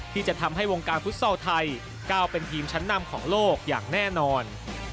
ที่จะทำให้วงการฟุตซอลไทยก้าวเป็นทีมชั้นนำของโลกอย่างแน่นอน